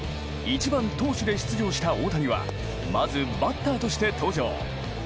１番投手で出場した大谷はまずバッターとして登場。